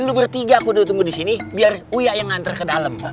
lu bertiga kudu tunggu di sini biar wia yang nganter ke dalam